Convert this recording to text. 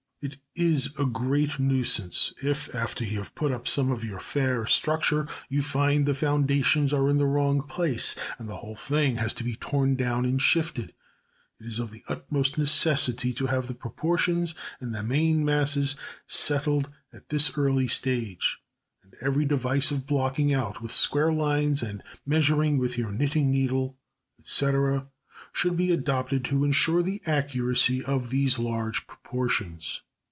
It is a great nuisance if, after you have put up some of your fair structure, you find the foundations are in the wrong place and the whole thing has to be torn down and shifted. It is of the utmost necessity to have the proportions and the main masses settled at this early stage, and every device of blocking out with square lines and measuring with your knitting needle, &c., should be adopted to ensure the accuracy of these large proportions.